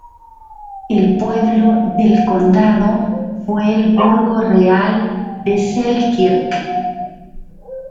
El pueblo del condado fue el burgo real de Selkirk.